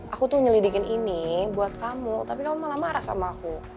aku tuh nyelidikin ini buat kamu tapi kamu malah marah sama aku